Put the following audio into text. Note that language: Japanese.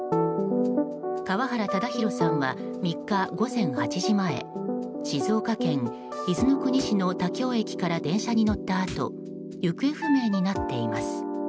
川原唯滉さんは３日午前８時前静岡県伊豆の国市の田京駅から電車に乗ったあと行方不明になっています。